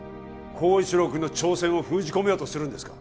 晃一郎くんの挑戦を封じ込めようとするんですか？